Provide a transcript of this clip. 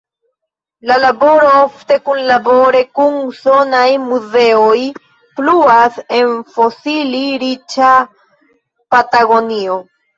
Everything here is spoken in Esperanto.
La laboro, ofte kunlabore kun usonaj muzeoj, pluas en fosili-riĉa Patagonio.